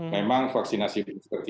memang vaksinasi bisa kita agak luar biasa